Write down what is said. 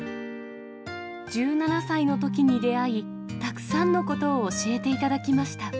１７歳のときに出会い、たくさんのことを教えていただきました。